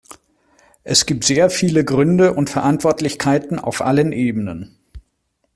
Es gibt sehr viele Gründe und Verantwortlichkeiten auf allen Ebenen.